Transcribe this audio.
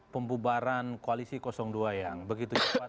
pembubaran koalisi dua yang begitu cepat